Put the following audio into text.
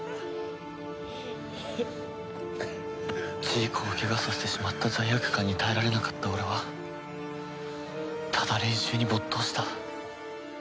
ジーコをケガさせてしまった罪悪感に耐えられなかった俺はただ練習に没頭した。